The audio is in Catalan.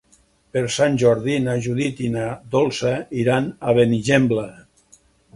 Per Sant Jordi na Judit i na Dolça iran a Benigembla.